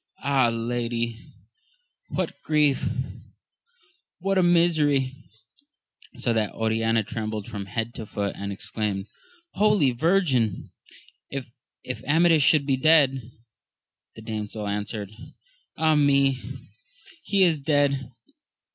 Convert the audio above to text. Ah, lady ! what a grief — what a misery ! So that Oriana trembled from head to foot, and exclaimed. Holy Virgin, if Amadis should be dead ! The damsel answered. Ah me, he is dead